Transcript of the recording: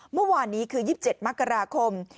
เมื่อวานนี้คือ๒๗มกราคม